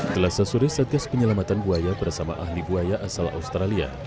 selasa sore satgas penyelamatan buaya bersama ahli buaya asal australia